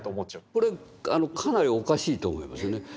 これかなりおかしいと思いますね。